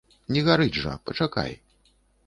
Не гарыць жа, пачакай.